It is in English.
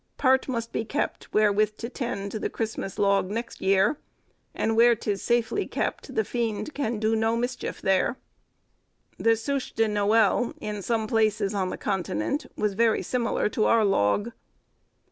Part must be kept, wherewith to teend The Christmas log next yeare; And where 'tis safely kept, the fiend Can do no mischiefe there." The Souche de Noël, in some places on the Continent, was very similar to our log.